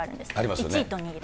１位と２位で。